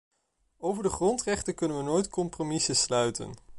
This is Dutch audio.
Over de grondrechten kunnen we nooit compromissen sluiten.